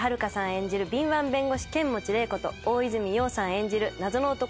演じる敏腕弁護士剣持麗子と大泉洋さん演じる謎の男